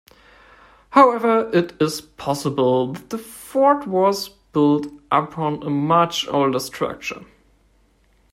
However, it is possible that the fort was built upon a much older structure.